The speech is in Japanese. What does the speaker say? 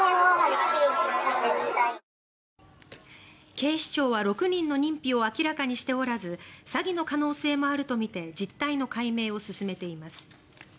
警視庁は６人の認否を明らかにしておらず詐欺の可能性もあるとみて実態の解明を進めています。